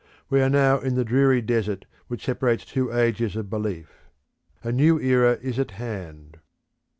We are now in the dreary desert which separates two ages of Belief. A new era is at hand.